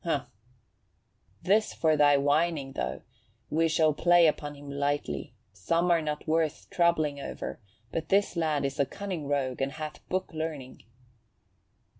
"Hgh!" "This for thy whining, though: we shall play upon him lightly. Some are not worth troubling over, but this lad is a cunning rogue and hath book learning."